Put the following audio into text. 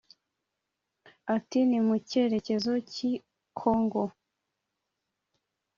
Ati: Ni mu cyerekezo cy'i Kongo